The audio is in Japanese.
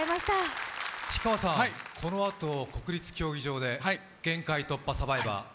氷川さん、このあと国立競技場で「限界突破×サバイバー」